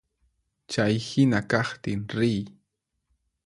Chay hina kaqtin riy.